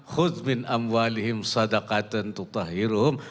khudz min amwalihim sadakatan tutahhiruhum